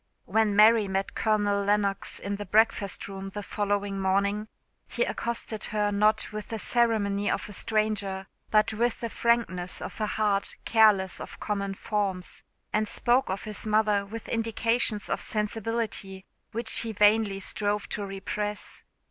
When Mary met Colonel Lennox in the breakfast room the following morning, he accosted her not with the ceremony of a stranger but with the frankness of a heart careless of common forms, and spoke of his mother with indications of sensibility which he vainly strove to repress.